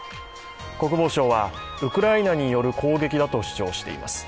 国防省はウクライナによる攻撃だと主張しています。